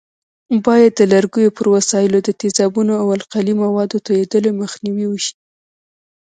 باید د لرګیو پر وسایلو د تیزابونو او القلي موادو توېدلو مخنیوی وشي.